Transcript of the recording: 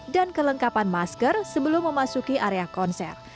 dan kelengkapan masker sebelum memasuki area konser